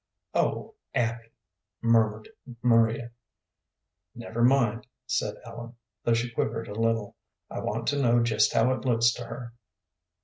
"Oh, Abby," murmured Maria. "Never mind," said Ellen, though she quivered a little, "I want to know just how it looks to her."